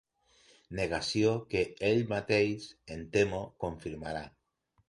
Negació que ell mateix, em temo, confirmarà.